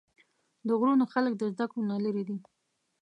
د غرونو خلق د زدکړو نه لرې دي